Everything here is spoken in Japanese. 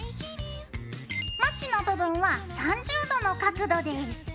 まちの部分は３０度の角度です。